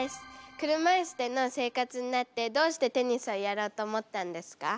車いすでの生活になってどうしてテニスをやろうと思ったんですか？